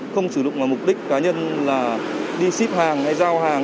không sử dụng vào mục đích cá nhân là đi ship hàng hay giao hàng